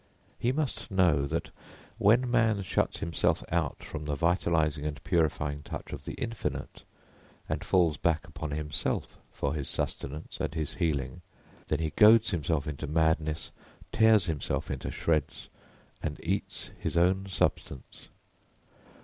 He must know that when man shuts himself out from the vitalising and purifying touch of the infinite, and falls back upon himself for his sustenance and his healing, then he goads himself into madness, tears himself into shreds, and eats his own substance.